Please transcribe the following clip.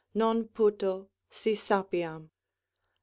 Non puto, si sapiam.